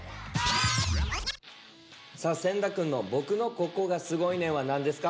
千田君の「僕のココがすごいねん！」は何ですか？